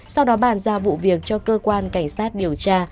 sau đó bàn ra vụ việc cho cơ quan cảnh sát điều tra